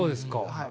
はい。